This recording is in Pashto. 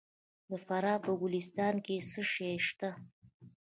د فراه په ګلستان کې څه شی شته؟